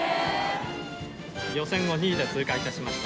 予選を２位で通過致しました。